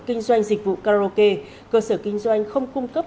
kinh doanh dịch vụ karaoke cơ sở kinh doanh không cung cấp